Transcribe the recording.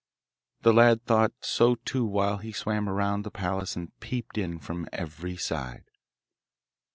The lad thought so too while he swam round the palace and peeped in from every side.